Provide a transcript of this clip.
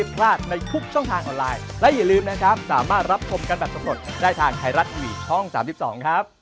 โปรดติดตามตอนต่อไป